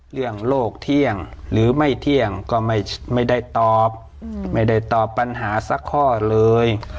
เรื่องโลกเที่ยงหรือไม่เที่ยงก็ไม่ได้ตอบไม่ได้ตอบปัญหาสักข้อเลย